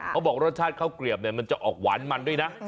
เขาบอกสารเข้ากเหลียบมีออกหวานมันด้วยนะ